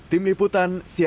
tim liputan cnn indonesia